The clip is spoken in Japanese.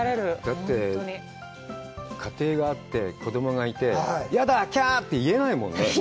だって、家庭があって、子供がいて、やだ、きゃあって言えないもんね。